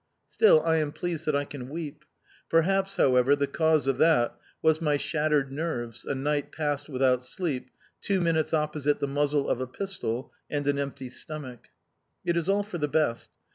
Still, I am pleased that I can weep. Perhaps, however, the cause of that was my shattered nerves, a night passed without sleep, two minutes opposite the muzzle of a pistol, and an empty stomach. It is all for the best.